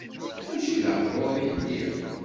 Mačči d aqrur i lliɣ.